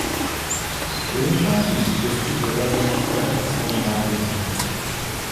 Triumfální vítězství zobrazil na severní stěně nádvoří.